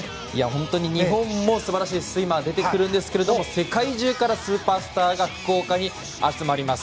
本当に日本の素晴らしいスイマー出てきているんですけれども世界中からスーパースターが福岡に集まります。